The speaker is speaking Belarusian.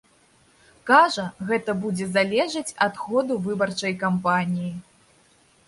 Кажа, гэта будзе залежаць ад ходу выбарчай кампаніі.